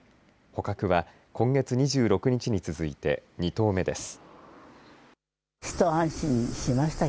捕獲は今月２６日に続いて２頭目です。